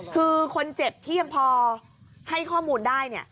คือคนเจ็บที่ยังพอให้ข้อมูลได้เนี่ย